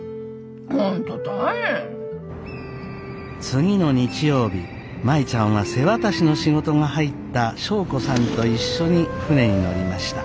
次の日曜日舞ちゃんは瀬渡しの仕事が入った祥子さんと一緒に船に乗りました。